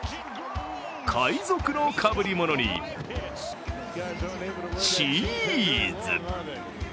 海賊のかぶりものに、チーズ。